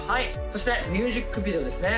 そしてミュージックビデオですね